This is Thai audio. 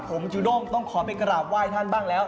ผมจูด้งต้องขอไปกราบไหว้ท่านบ้างแล้ว